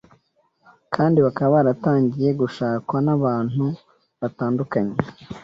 kandi bakaba baratangiye gushakwa n’abantu batandukanye